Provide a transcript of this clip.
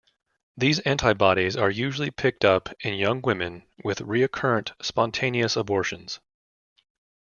These antibodies are usually picked up in young women with recurrent spontaneous abortions.